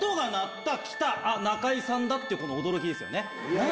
この驚きですよね。